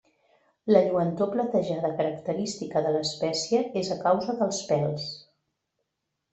La lluentor platejada característica de l'espècie és a causa dels pèls.